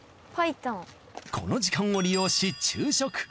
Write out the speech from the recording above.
この時間を利用し昼食。